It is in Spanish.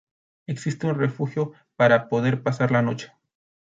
Existe un refugio para poder pasar la noche.